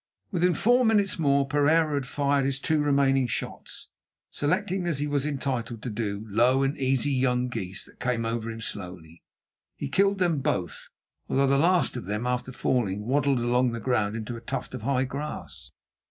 Within four minutes more Pereira had fired his two remaining shots, selecting, as he was entitled to do, low and easy young geese that came over him slowly. He killed them both, although the last of them, after falling, waddled along the ground into a tuft of high grass.